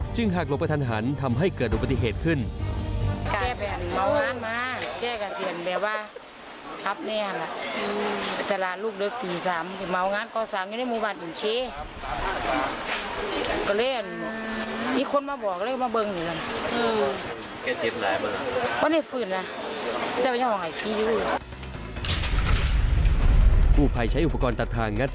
จึงหากลบไปทันหันทำให้เกิดลมพยพขึ้น